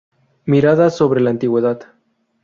Miradas sobre la Antigüedad.